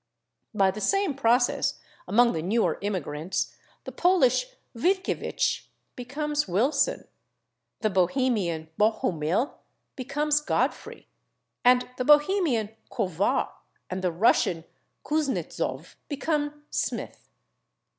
By the same process, among the newer immigrants, the Polish /Wilkiewicz/ becomes /Wilson/, the Bohemian /Bohumil/ becomes /Godfrey/, and the Bohemian /Kovár/ and the Russian /Kuznetzov/ become /Smith